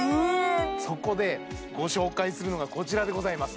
そこでご紹介するのがこちらでございます